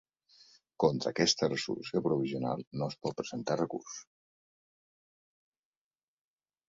Contra aquesta Resolució provisional no es pot presentar recurs.